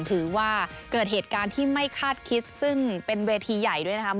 ถือว่าเกิดเหตุการณ์ที่ไม่คาดคิดซึ่งเป็นเวทีใหญ่ด้วยนะครับ